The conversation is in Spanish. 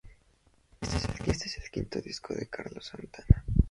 Este es el quinto disco de Carlos Santana.